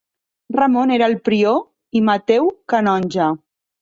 Ramon era el prior i Mateu canonge.